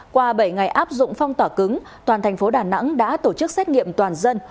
qua bảy ngày áp dụng phong tỏa cứng toàn thành phố đà nẵng đã tổ chức xét nghiệm toàn dân